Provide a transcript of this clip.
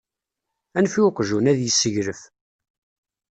Anef i uqjun, ad isseglef!